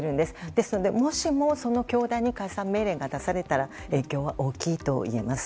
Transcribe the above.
ですので、もしもその教団に解散命令が出されたら影響は大きいといえます。